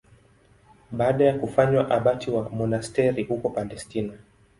Baada ya kufanywa abati wa monasteri huko Palestina.